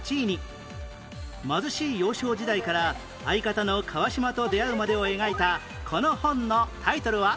貧しい幼少時代から相方の川島と出会うまでを描いたこの本のタイトルは？